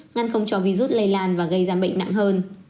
ngăn không cho virus lây lan và gây ra bệnh nặng hơn